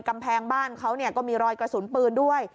กำแพงบ้านเขาก็มีรอยกระสุนปืนด้วย